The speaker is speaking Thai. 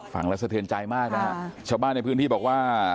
ฟังแล้วสะเทือนใจมากนะฮะชาวบ้านในพื้นที่บอกว่า